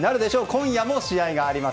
今夜も試合があります。